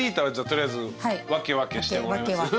取りあえず分け分けしてもらいます？